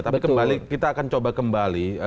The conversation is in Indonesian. tapi kembali kita akan coba kembali